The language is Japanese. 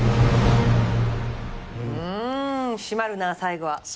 うん締まるな最後は。